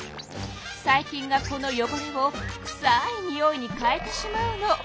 細菌がこのよごれをくさいにおいに変えてしまうの。